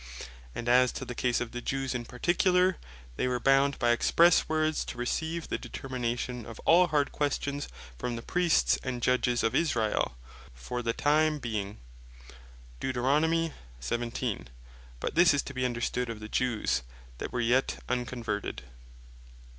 And as to the case of the Jews in particular, they were bound by expresse words (Deut. 17.) to receive the determination of all hard questions, from the Priests and Judges of Israel for the time being. But this is to bee understood of the Jews that were yet unconverted.